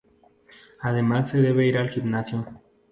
Además se debe ir al gimnasio".